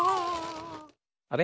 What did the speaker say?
あ！